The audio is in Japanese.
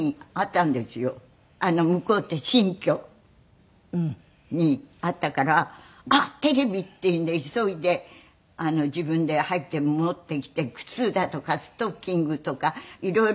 向こうって新居にあったからあっテレビ！っていうんで急いで自分で入って持ってきて靴だとかストッキングとか色々。